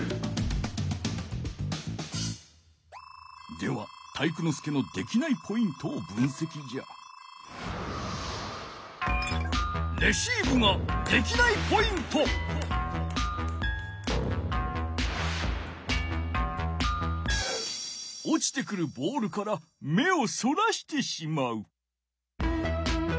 では体育ノ介のできないポイントを分せきじゃ。落ちてくるボールから体育ノ